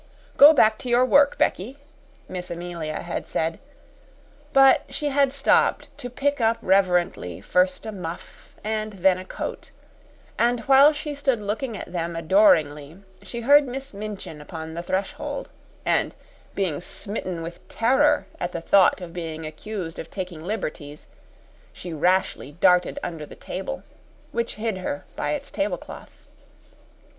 "Go back to your work, Becky," Miss Amelia had said; but she had stopped to pick up reverently first a muff and then a coat, and while she stood looking at them adoringly, she heard Miss Minchin upon the threshold, and, being smitten with terror at the thought of being accused of taking liberties, she rashly darted under the table, which hid her by its tablecloth.